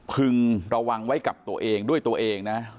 พึงระวังไว้กับตัวเองด้วยตัวเองนะ